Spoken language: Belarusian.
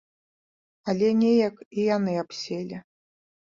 Але неяк і яны абселі.